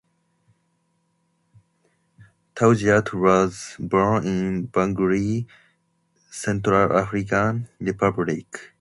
Tauziat was born in Bangui, Central African Republic.